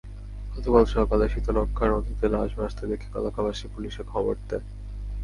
গতকাল সকালে শীতলক্ষ্যা নদীতে লাশ ভাসতে দেখে এলাকাবাসী পুলিশে খবর দেয়।